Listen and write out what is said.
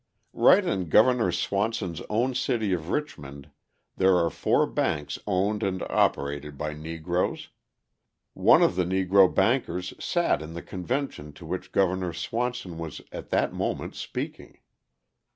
Right in Governor Swanson's own city of Richmond there are four banks owned and operated by Negroes; one of the Negro bankers sat in the convention to which Governor Swanson was at that moment speaking.